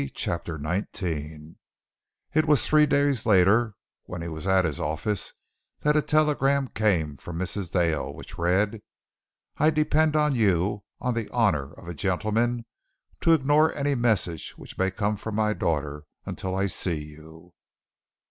CHAPTER XIX It was three days later when he was at his office that a telegram came from Mrs. Dale, which read, "I depend on you, on the honor of a gentleman, to ignore any message which may come from my daughter until I see you."